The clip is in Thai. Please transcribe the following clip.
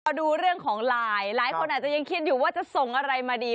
ดูเรื่องของไลน์หลายคนอาจจะยังคิดอยู่ว่าจะส่งอะไรมาดี